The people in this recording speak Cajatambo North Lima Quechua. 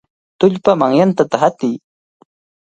¡Tullpaman yantata hatiy!